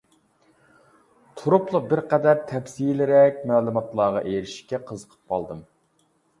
تۇرۇپلا بىر قەدەر تەپسىلىيرەك مەلۇماتلارغا ئېرىشىشكە قىزىقىپ قالدىم.